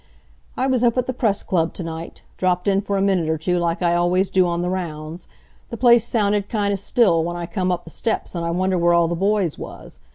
"I was up at the Press Club to night. Dropped in for a minute or two, like I always do on the rounds. The place sounded kind of still when I come up the steps, and I wondered where all the boys was.